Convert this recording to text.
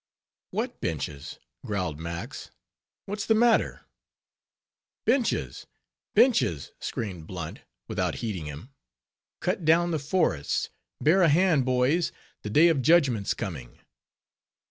"What benches?" growled Max—"What's the matter?" "Benches! benches!" screamed Blunt, without heeding him, "cut down the forests, bear a hand, boys; the Day of Judgment's coming!"